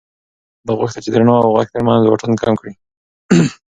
ده غوښتل چې د رڼا او غږ تر منځ واټن کم کړي.